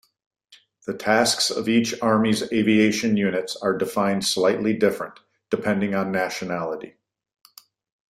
The tasks of each army's aviation units are defined slightly different, depending on nationality.